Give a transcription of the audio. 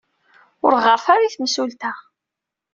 Ur ɣɣaret ara i temsulta.